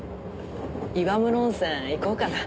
岩室温泉行こうかな。